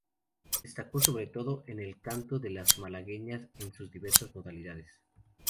Destacó sobre todo en el canto de las malagueñas en sus diversas modalidades.